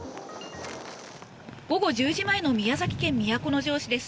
午後１０時前の宮崎県都城市です。